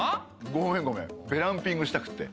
ごめんごめんベランピングしたくて。